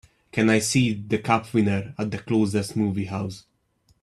Can I see The Cup Winner at the closest movie house